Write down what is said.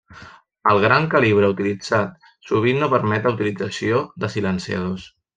El gran calibre utilitzat sovint no permet la utilització de silenciadors.